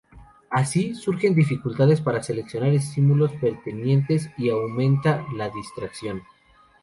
Así, surgen dificultades para seleccionar estímulos pertinentes, y aumenta la distracción.